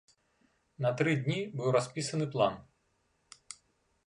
На тры дні быў распісаны план.